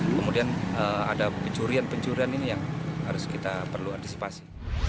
kemudian ada pencurian pencurian ini yang harus kita perlu antisipasi